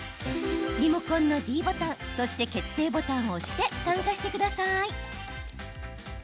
リモコンのｄボタンそして決定ボタンを押して参加してください。